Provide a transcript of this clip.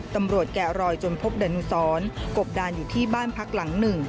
แกะรอยจนพบดานุสรกบดานอยู่ที่บ้านพักหลังหนึ่ง